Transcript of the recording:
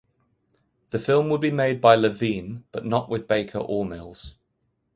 The film would be made by Levine, but not with Baker or Mills.